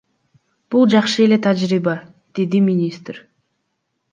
Бул жакшы эле тажрыйба, — деди министр.